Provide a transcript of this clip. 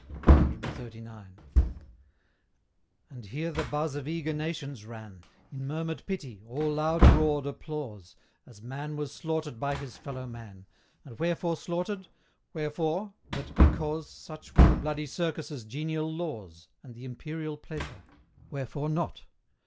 CXXXIX. And here the buzz of eager nations ran, In murmured pity, or loud roared applause, As man was slaughtered by his fellow man. And wherefore slaughtered? wherefore, but because Such were the bloody circus' genial laws, And the imperial pleasure. Wherefore not?